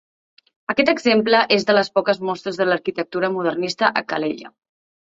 Aquest exemple és de les poques mostres de l'arquitectura modernista a Calella.